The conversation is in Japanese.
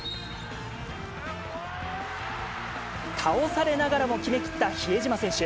倒されながらも決めきった比江島選手。